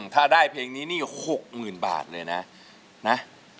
ถ้าได้เพลงนี้หนุ่มนึกด้วยนะ